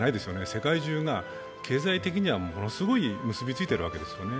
世界中が経済的にはすごく結びついてるわけですよね。